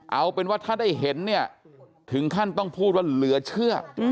เอาเป็นว่าถ้าได้เห็นเนี่ยถึงขั้นต้องพูดว่าเหลือเชื่อ